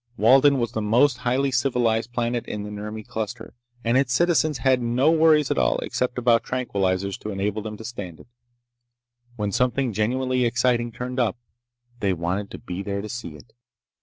Walden was the most highly civilized planet in the Nurmi Cluster, and its citizens had had no worries at all except about tranquilizers to enable them to stand it. When something genuinely exciting turned up, they wanted to be there to see it.